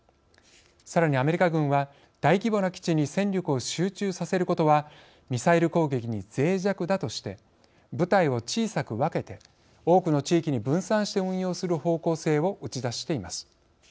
さらにアメリカ軍は大規模な基地に戦力を集中させることはミサイル攻撃にぜい弱だとして部隊を小さく分けて多くの地域に分散して運用する方向性を打ち出しています。